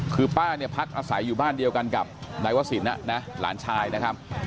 คือป้าเนี่ยพักอาศัยอยู่บ้านเดียวกันกับนายวศิลปะหลานชายนะครับ